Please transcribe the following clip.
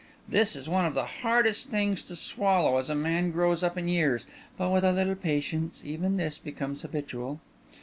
This is one of the hardest things to swallow as a man grows up in years; but with a little patience, even this becomes habitual.